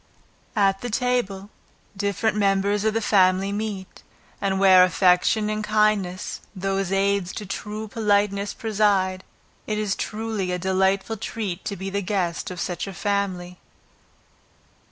At the table, different members of the family meet; and where affection and kindness, those aids to true politeness, preside, it is truly a delightful treat to be the guest of such a family.